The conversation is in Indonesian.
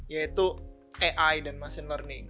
yaitu ai dan machine learning